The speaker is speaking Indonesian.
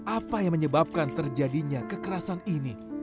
apa yang menyebabkan terjadinya kekerasan ini